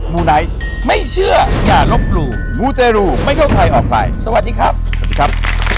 มูไนท์ไม่เชื่ออย่าลบหลู่มูเตรูไม่เข้าใครออกใครสวัสดีครับสวัสดีครับ